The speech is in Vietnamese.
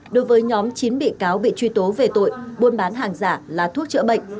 đối với nhóm chín bị cáo bị truy tố về tội buôn bán hàng giả là thuốc chữa bệnh